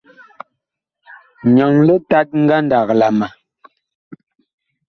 Nyɔŋ litat ngandag la ma.